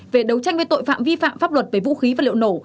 về đấu tranh với tội phạm vi phạm pháp luật về vũ khí vật liệu nổ